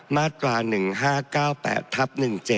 มาตรา๑๕๙๘ทับ๑๗